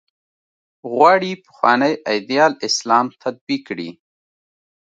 غواړي پخوانی ایدیال اسلام تطبیق کړي.